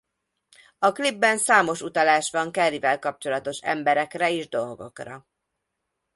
A klipben számos utalás van Careyvel kapcsolatos emberekre és dolgokra.